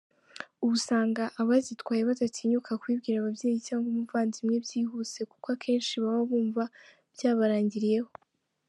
Ubu usanga abazitwaye badatinyuka kubibwira ababyeyi cyangwa umuvandimwe byihuse kuko akenshi baba bumva byabarangiriyeho.